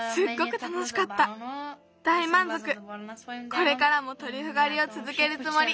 これからもトリュフがりをつづけるつもり。